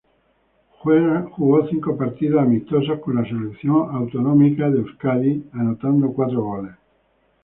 Jugó cinco partidos amistosos con la selección autonómica de Euskadi anotando cuatro goles.